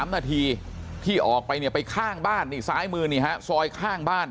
๓นาทีที่ออกไปเนี่ยไปข้างบ้านนี่ซ้ายมือนี่ฮะซอยข้างบ้าน